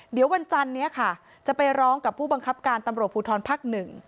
เดี๋ยววันจันนี้ค่ะจะไปร้องกับผู้บังคับการตำรวจภูทรภักดิ์๑